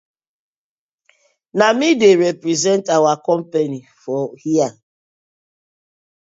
Na mi dey represent our company for here.